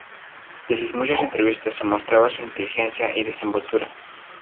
De sus muchas entrevistas, se mostraba su inteligencia y desenvoltura.